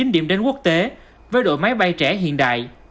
hai mươi chín điểm đến quốc tế với đội máy bay trẻ hiện đại